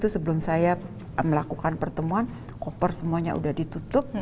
saya melakukan pertemuan koper semuanya udah ditutup